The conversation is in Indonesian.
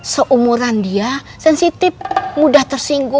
seumuran dia sensitif mudah tersinggung